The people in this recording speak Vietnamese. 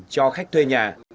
cho khách thuê nhà